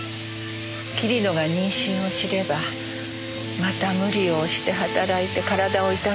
桐野が妊娠を知ればまた無理を押して働いて体を痛めるかもしれない。